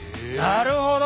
なるほど！